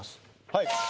はい